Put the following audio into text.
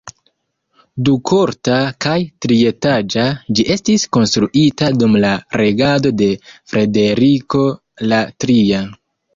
Dukorta kaj trietaĝa, ĝi estis konstruita dum la regado de Frederiko la Tria.